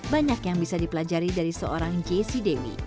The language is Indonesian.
banyak yang bisa dipelajari dari seorang jessie dewi